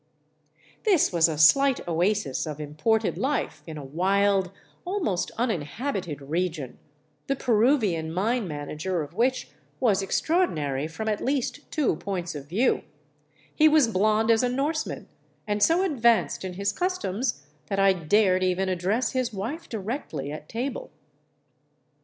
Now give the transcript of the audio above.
This was a slight oasis of imported life in a wild, almost uninhabited region, the Peruvian mine manager of which was extraordinary from at least two points of view, — he was blond as a Norseman, and so advanced in his customs that I dared even address his wife directly at table.